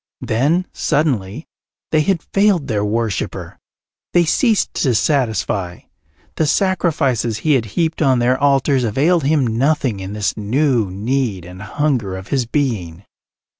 Then, suddenly, they had failed their worshipper; they ceased to satisfy; the sacrifices he had heaped on their altars availed him nothing in this new need and hunger of his being.